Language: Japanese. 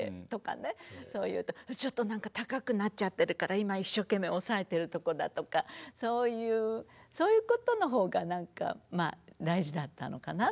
そういうと「ちょっと何か高くなっちゃってるから今一生懸命抑えてるとこだ」とかそういうことの方が何か大事だったのかなと私にとっては。